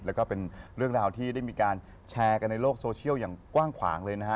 แล้วก็เป็นเรื่องราวที่ได้มีการแชร์กันในโลกโซเชียลอย่างกว้างขวางเลยนะฮะ